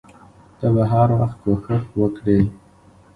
ته به هر وخت کوښښ وکړې.